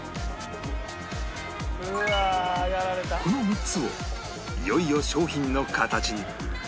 この３つをいよいよ商品の形に